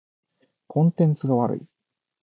コンテンツが悪い。